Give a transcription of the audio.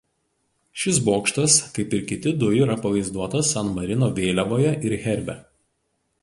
Šis bokštas kaip ir kiti du yra pavaizduotas San Marino vėliavoje ir herbe.